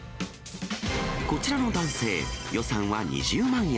こちらの男性、予算は２０万円。